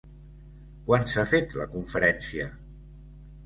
Quan s'ha fet la conferència?